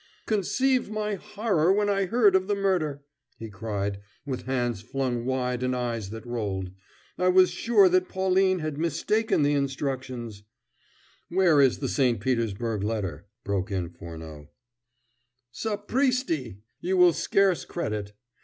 "Conceive my horror when I heard of the murder!" he cried with hands flung wide and eyes that rolled. "I was sure that Pauline had mistaken the instructions " "Where is the St. Petersburg letter?" broke in Furneaux. "Sapristi! You will scarce credit.